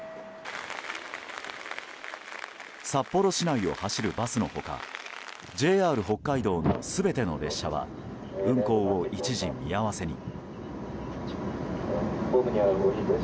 札幌市内を走るバスのほかＪＲ北海道の全ての列車は運行を、一時見合わせに。